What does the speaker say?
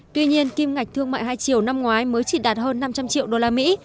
tuy nhiên kim ngạch thương mại hai triệu năm ngoái mới chỉ đạt hơn năm trăm linh triệu usd